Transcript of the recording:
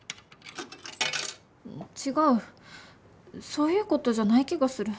違うそういうことじゃない気がする。